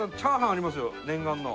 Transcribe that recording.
念願の。